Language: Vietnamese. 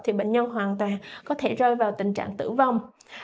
thì bệnh nhân hoàn toàn có thể rơi vào tình trạng tử vong